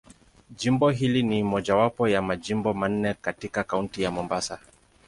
Jimbo hili ni mojawapo ya Majimbo manne katika Kaunti ya Mombasa.